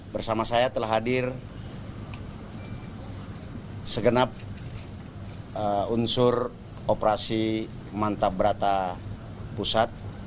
bersama saya telah hadir segenap unsur operasi mantabrata pusat